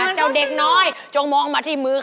ถัดสินจะหยุดเหรอ